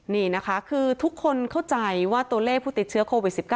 นี่นะคะคือทุกคนเข้าใจว่าตัวเลขผู้ติดเชื้อโควิด๑๙